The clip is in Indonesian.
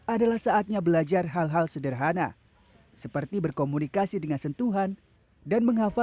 adalah saatnya belajar hal hal sederhana seperti berkomunikasi dengan sentuhan dan menghafal